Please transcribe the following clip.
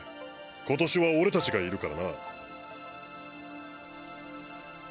今年は俺たちがいるからな。